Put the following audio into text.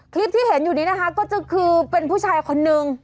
คลิปที่เห็นอยู่นี้นะคะก็คือเป็นผู้ชายคนนึง